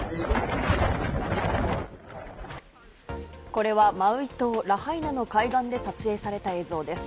これはマウイ島ラハイナの海岸で撮影された映像です。